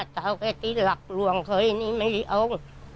เจ้าแค่ที่หลักหลวงเคยนี่ไม่ได้อ้อง